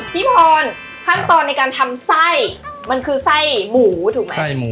พี่พรขั้นตอนในการทำไส้มันคือไส้หมูถูกไหม